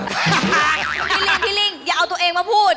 พี่ลิงพี่ลิ่งอย่าเอาตัวเองมาพูด